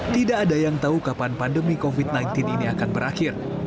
tidak ada yang tahu kapan pandemi covid sembilan belas ini akan berakhir